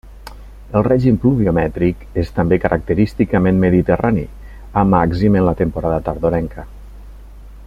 El règim pluviomètric és també característicament mediterrani, amb màxim en la temporada tardorenca.